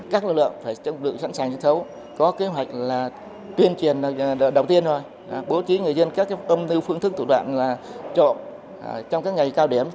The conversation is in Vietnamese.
các lực lượng phải được sẵn sàng diễn thấu có kế hoạch là tuyên truyền đầu tiên rồi bố trí người dân các công nưu phương thức tụ đoạn là trộm trong các ngày cao điểm